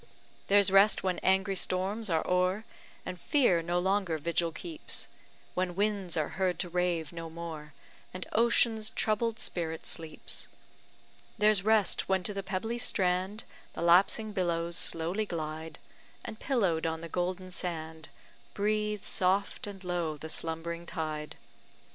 There's rest when angry storms are o'er, And fear no longer vigil keeps; When winds are heard to rave no more, And ocean's troubled spirit sleeps; There's rest when to the pebbly strand, The lapsing billows slowly glide; And, pillow'd on the golden sand, Breathes soft and low the slumbering tide.